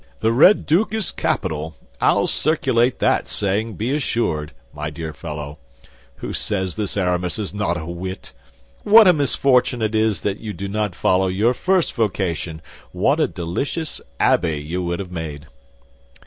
"The Red Duke is capital. I'll circulate that saying, be assured, my dear fellow. Who says this Aramis is not a wit? What a misfortune it is you did not follow your first vocation; what a delicious abbé you would have made!"